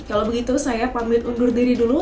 kalau begitu saya pamit undur diri dulu